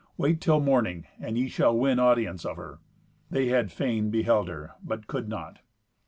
"Wait till morning, and ye shall win audience of her." They had fain beheld her, but could not.